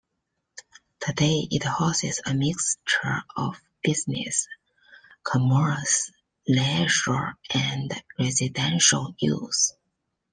Today it houses a mixture of business, commerce, leisure and residential use.